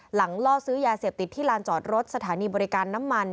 ล่อซื้อยาเสพติดที่ลานจอดรถสถานีบริการน้ำมัน